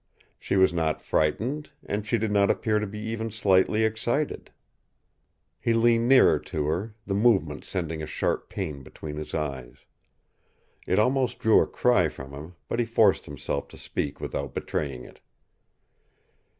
She was not frightened, and she did not appear to be even slightly excited. He leaned nearer to her, the movement sending a sharp pain between his eyes. It almost drew a cry from him, but he forced himself to speak without betraying it.